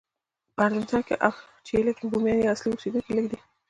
په ارجنټاین او چیلي کې بومیان یا اصلي اوسېدونکي لږ دي.